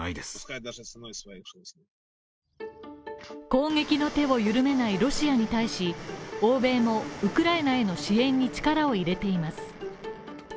攻撃の手を緩めないロシアに対し、欧米もウクライナへの支援に力を入れています。